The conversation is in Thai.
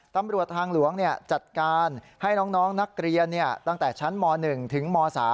ตำรวจทางหลวงจัดการให้น้องนักเรียนตั้งแต่ชั้นม๑ถึงม๓